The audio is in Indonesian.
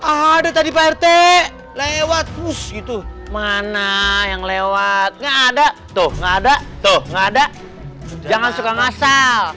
ada tadi partai lewat itu mana yang lewat nggak ada tuh nggak ada tuh nggak ada jangan suka ngasal